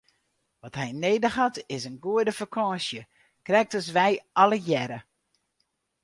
Wat hy nedich hat is in goede fakânsje, krekt as wy allegearre!